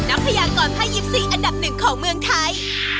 พยากรภาค๒๔อันดับหนึ่งของเมืองไทย